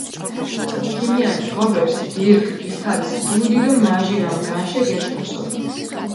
ქიმიანჭჷ ღობერს, დირგჷ გითალს დუდი დო მაჟირა განშე გეგთოსოფჷ.